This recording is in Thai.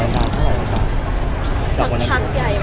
เป็นปีเดือนเดือนละ